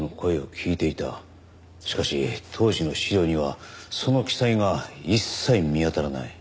しかし当時の資料にはその記載が一切見当たらない。